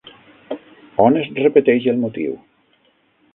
On es repeteix el motiu?